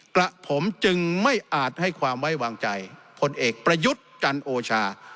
กระผมจึงไม่อาจให้ความไว้วางใจพลเอกประยุทธ์จันโอชา